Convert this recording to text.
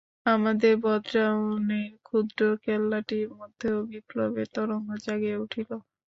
আমাদের বদ্রাওনের ক্ষুদ্র কেল্লাটির মধ্যেও বিপ্লবের তরঙ্গ জাগিয়া উঠিল।